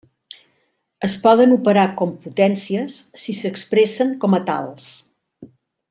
Es poden operar com potències si s'expressen com a tals.